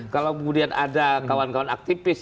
kalau kemudian ada kawan kawan aktivis